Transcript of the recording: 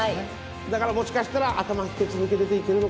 だからもしかしたら頭１つ抜け出ていけるのかなと。